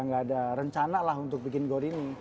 nggak ada rencana lah untuk bikin gor ini